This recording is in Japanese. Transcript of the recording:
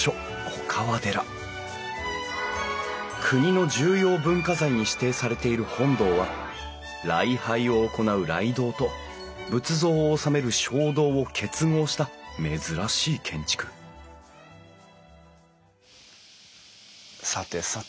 国の重要文化財に指定されている本堂は礼拝を行う礼堂と仏像を収める正堂を結合した珍しい建築さてさて